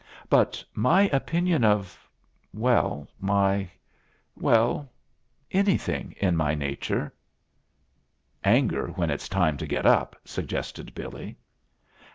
But my opinion of well, my well, anything in my nature " "Anger when it's time to get up," suggested Billy.